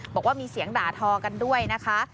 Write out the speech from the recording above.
บอกว่ามีเสียงด่าทอกันด้วยนะคะ